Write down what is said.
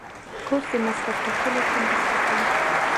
کورس د مسلک ټاکلو کې مرسته کوي.